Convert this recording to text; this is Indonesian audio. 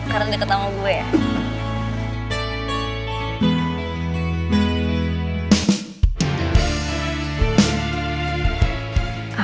karena deket sama gue ya